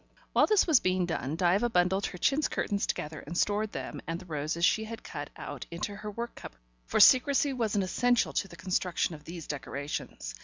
While this was being done, Diva bundled her chintz curtains together and stored them and the roses she had cut out into her work cupboard, for secrecy was an essential to the construction of these decorations.